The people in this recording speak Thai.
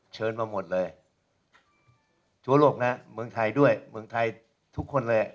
เชิญมาหมดเลยทั่วโลกนะเมืองไทยด้วยเมืองไทยทุกคนเลย